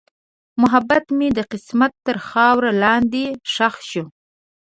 محبت مې د قسمت تر خاورو لاندې ښخ شو.